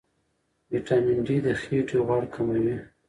ویټامین ډي د خېټې غوړ کموي.